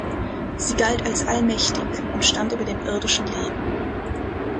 Sie galt als allmächtig und stand über dem irdischen Leben.